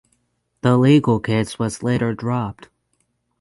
The legal case was later dropped.